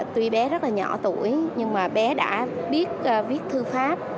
tuy bé rất là nhỏ tuổi nhưng mà bé đã biết viết thư pháp